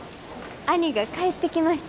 兄が帰ってきました。